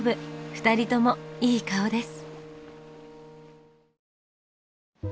２人ともいい顔です。